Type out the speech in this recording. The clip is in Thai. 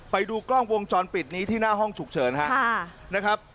ไปดูกล้องวงจรปิดนี้ที่หน้าห้องฉุกเฉินครับนะครับ